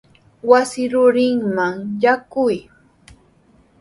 Wasi rurinman yaykuy.